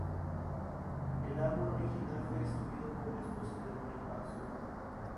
El árbol original fue destruido por la esposa del rey Ashoka.